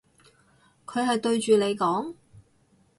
佢係對住你講？